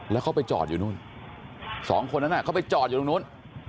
แล้วเขาไปจอดอยู่นู่นสองคนนั้นเขาไปจอดอยู่ตรงนู้น